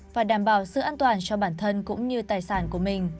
và đảm bảo sự an toàn cho bản thân cũng như tài sản của mình